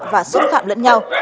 và xúc phạm lẫn nhau